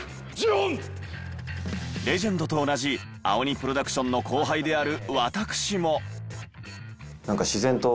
レジェンドと同じ青二プロダクションの後輩である私も。